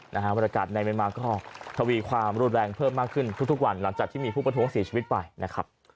บรรยากาศในไม่มาก็ทวีความรุนแรงเพิ่มมากขึ้นทุกวันหลังจากที่มีผู้ประท้วงเสียชีวิตไปนะครับ